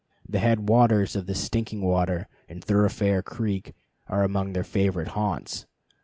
The head waters of the Stinking Water and Thoroughfare Creek are among their favorite haunts.